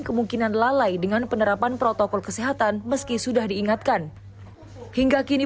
kemungkinan lalai dengan penerapan protokol kesehatan meski sudah diingatkan hingga kini